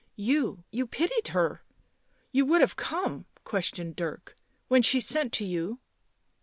" You — you — pitied her ? You would have come?" questioned Dirk. " When she sent to you